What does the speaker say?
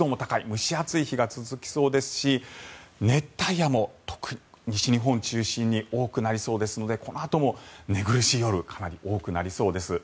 蒸し暑い日が続きそうですし熱帯夜も特に西日本を中心に多くなりそうですのでこのあとも寝苦しい夜かなり多くなりそうです。